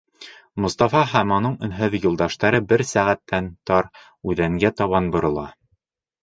Мостафа һәм уның өнһөҙ юлдаштары бер сәғәттән тар үҙәнгә табан борола.